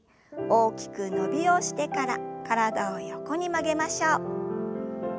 大きく伸びをしてから体を横に曲げましょう。